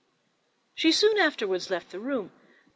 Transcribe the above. She soon afterwards left the room.